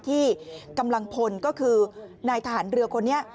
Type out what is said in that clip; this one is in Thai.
ที่กำลังพลก็คือนายทหารเรือคนนี้